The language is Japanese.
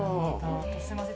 すみません